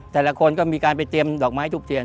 แต่ละคนก็มีการไปเตรียมดอกไม้ทุบเทียน